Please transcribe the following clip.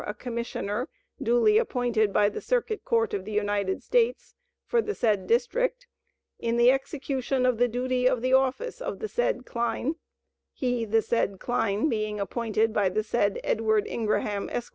a commissioner, duly appointed by the Circuit Court of the United States, for the said district, in the execution of the duty of the office of the said Kline, he, the said Kline, being appointed by the said Edward Ingraham, Esq.